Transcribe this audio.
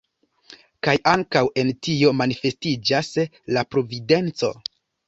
Kaj ankaŭ en tio manifestiĝas la Providenco.